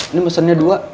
ini mesennya dua